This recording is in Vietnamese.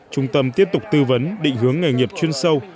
trung tâm tiếp tục tư vấn định hướng nghề nghiệp chuyên sâu